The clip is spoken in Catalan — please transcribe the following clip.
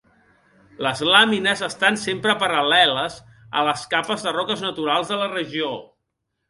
Les làmines estan sempre paral·leles a les capes de roques naturals de la regió.